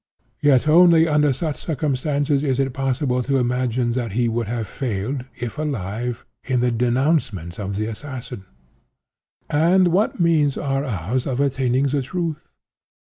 Yet only under such circumstances is it possible to imagine that he would have failed, if alive, in the denouncement of the assassins. "And what means are ours, of attaining the truth?